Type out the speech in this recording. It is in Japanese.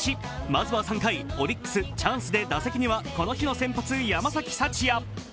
まずは３回、オリックス、チャンスで打席にはこの日の先発・山崎福也。